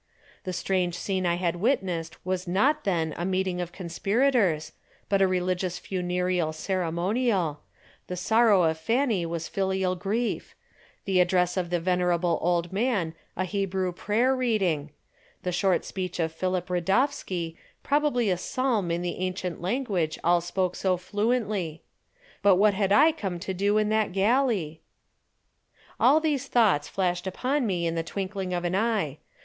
The strange scene I had witnessed was not, then, a meeting of conspirators, but a religious funereal ceremonial; the sorrow of Fanny was filial grief; the address of the venerable old man a Hebrew prayer reading; the short speech of Philip Radowski probably a psalm in the ancient language all spoke so fluently. But what had I come to do in that galley? All these thoughts flashed upon me in the twinkling of an eye.